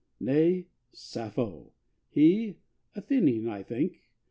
Nay; Sappho! He? Athenian, I think.